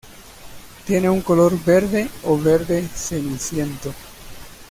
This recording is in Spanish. Tiene un color verde o verde ceniciento.